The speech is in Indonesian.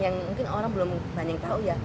yang mungkin orang belum banyak tahu ya